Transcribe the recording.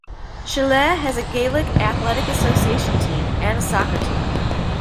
Shillelagh has a Gaelic Athletic Association team and a soccer team.